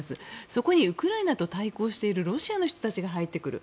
そこにウクライナと対抗しているロシアの人たちが入ってくる。